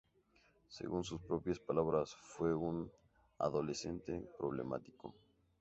Según sus propias palabras, fue un adolescente problemático.